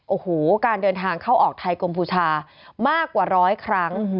โอ้โหการเดินทางเข้าออกไทยกัมพูชามากกว่าร้อยครั้ง